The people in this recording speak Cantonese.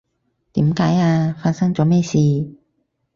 點解呀？發生咗咩事？